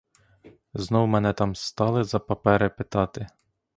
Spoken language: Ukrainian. Знов мене там стали за папери питати.